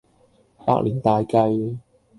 百年大計